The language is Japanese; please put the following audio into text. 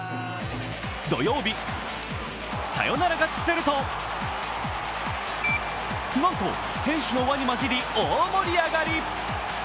土曜日、サヨナラ勝ちするとなんと選手の輪にまじり大盛り上がり。